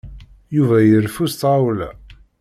Yuba ireffu s tɣawla.